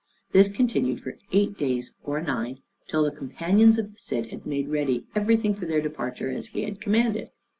This continued for eight days or nine, till the companions of the Cid had made ready everything for their departure, as he had commanded.